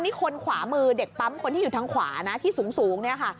นี่คนขวามือเด็กปั๊มคนที่อยู่ทางขวานะที่สูงเนี่ยค่ะ